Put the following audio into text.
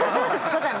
そうだね。